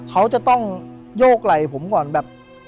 เขาจะต้องโยกไหล่ผมก่อนแบบ